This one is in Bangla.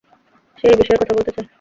সে এই বিষয়ে কথা বলতে চায়।